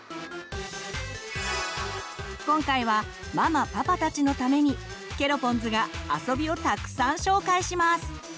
今回はママパパたちのためにケロポンズが遊びをたくさん紹介します！